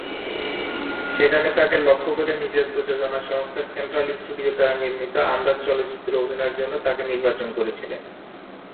সেখানে তাঁকে লক্ষ্য করে নিজের প্রযোজনা সংস্থা সেন্ট্রাল স্টুডিও দ্বারা নির্মিত "আন্দাজ" চলচ্চিত্রে অভিনয়ের জন্য তাঁকে নির্বাচন করেছিলেন।